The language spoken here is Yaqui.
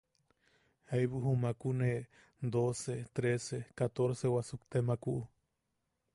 Jaibu jumakune doce, trece, catorce wasukte makku.